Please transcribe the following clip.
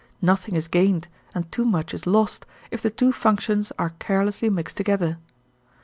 Nothing is gained and too much is lost if the two functions are carelessly mixed together.